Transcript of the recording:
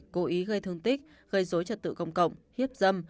cố ý gây thương tích gây dối trật tự công cộng hiếp dâm